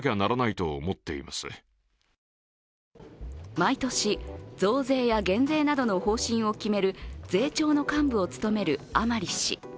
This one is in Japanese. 毎年、増税や減税などの方針を決める税調の幹部を務める甘利氏。